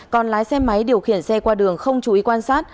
còn lái xe máy điều khiển xe qua đường không chú ý quan sát